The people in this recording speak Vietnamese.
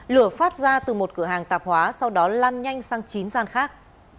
lửa phát ra từ một cửa hàng tạp hóa sau đó lan nhanh sang chín gian khác